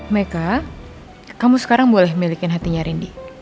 meka kamu sekarang boleh milikin hatinya rendy